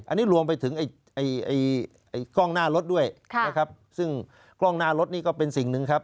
อันนี้รวมไปถึงกล้องหน้ารถด้วยนะครับซึ่งกล้องหน้ารถนี่ก็เป็นสิ่งหนึ่งครับ